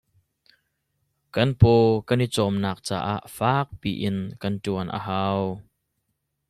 Kan paw kan i cawmnak caah fakpi in kan ṭuan a hau.